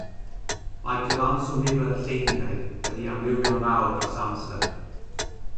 Mae cyfanswm nifer y lleiniau wedi amrywio'n fawr dros amser.